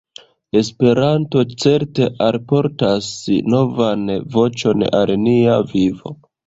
Esperanto certe alportas novan voĉon al nia vivo.